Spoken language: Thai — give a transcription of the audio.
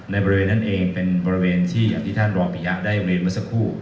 ในบริเวณนั้นเองเป็นบริเวณที่ท่านรอปิฮะได้เมื่อสักครู่